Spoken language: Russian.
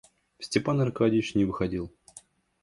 Степан Аркадьич не выходил.